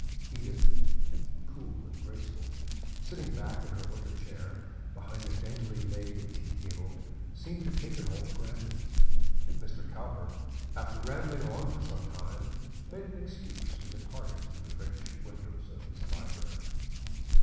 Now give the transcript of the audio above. Edith, cool and graceful, sitting back in her wicker chair behind the daintily laid tea table, seemed to take it all for granted. Mr. Cowper, after rambling on for some time, made an excuse and departed through the French windows of his library.